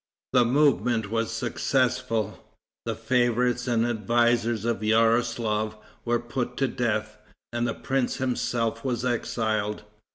The movement was successful. The favorites and advisers of Yaroslaf were put to death, and the prince himself was exiled.